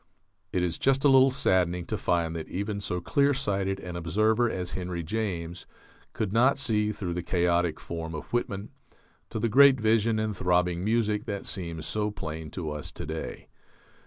It is just a little saddening to find that even so clear sighted an observer as Henry James could not see through the chaotic form of Whitman to the great vision and throbbing music that seem so plain to us to day.